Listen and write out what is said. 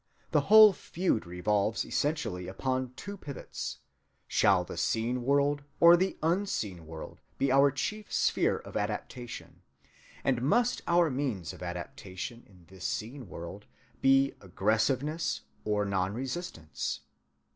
The whole feud revolves essentially upon two pivots: Shall the seen world or the unseen world be our chief sphere of adaptation? and must our means of adaptation in this seen world be aggressiveness or non‐resistance?